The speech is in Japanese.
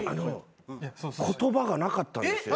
言葉がなかったんですよ。